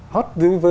hot với công chúng